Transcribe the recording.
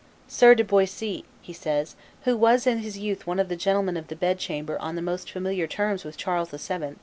"Sire de Boisy," he says, "who was in his youth one of the gentlemen of the bed chamber on the most familiar terms with Charles VII.